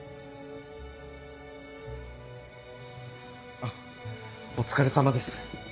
あっお疲れさまです。